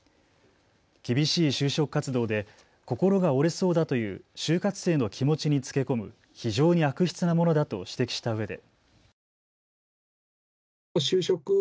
厳しい就職活動で心が折れそうだという就活生の気持ちにつけ込む非常に悪質なものだと指摘したうえで。